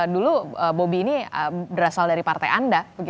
dulu bobi ini berasal dari partai anda